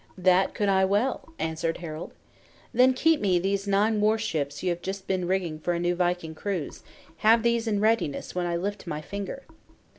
"That could I well," answered Harald. "Then keep me those nine war ships you have just been rigging for a new viking cruise; have these in readiness when I lift my finger!"